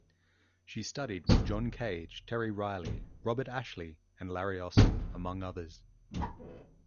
She studied with John Cage, Terry Riley, Robert Ashley, and Larry Austin, among others.